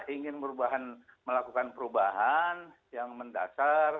ingin perubahan melakukan perubahan yang mendasar